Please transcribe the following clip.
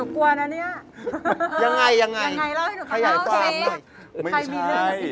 คุณดิฉันน่ะ